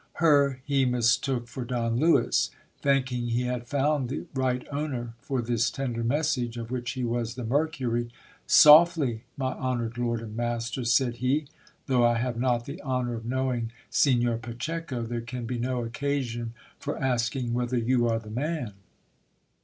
Her he mistook for Don Lewis. Thinking he had found the right owner for this tender message, of which he was the Mercury — Softly ! my honoured lord and master, said he, though I have not the honour of knowing Signor Pacheco, there can be no occasion for asking whether you are the man.